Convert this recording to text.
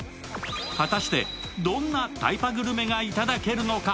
果たしてどんなタイパグルメがいただけるのか？